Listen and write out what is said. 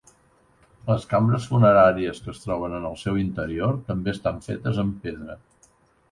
Les cambres funeràries que es troben en el seu interior també estan fetes en pedra.